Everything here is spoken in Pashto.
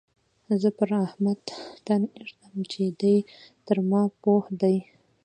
زه پر احمد تن اېږدم چې دی تر ما پوه دی.